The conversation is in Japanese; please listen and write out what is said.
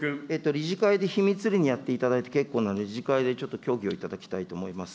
理事会で秘密裏にやっていただいて結構なんで、理事会で協議をいただきたいと思います。